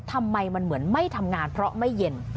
ทำไมมันเหมือนไม่ทำงานเพราะไม่เย็น